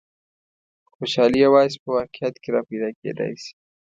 خو خوشحالي یوازې په واقعیت کې را پیدا کېدای شي.